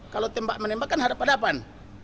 kalau tembak menembak kan hadapan hadapan